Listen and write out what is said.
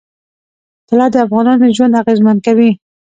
طلا د افغانانو ژوند اغېزمن کوي.